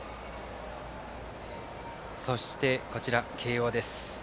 そして、こちら慶応です。